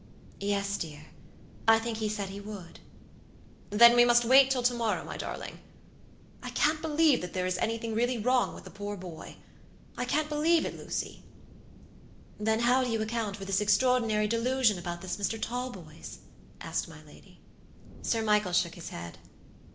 "Yes, dear. I think he said he would." "Then we must wait till to morrow, my darling. I can't believe that there really is anything wrong with the poor boyI can't believe it, Lucy." "Then how do you account for this extraordinary delusion about this Mr. Talboys?" asked my lady. Sir Michael shook his head.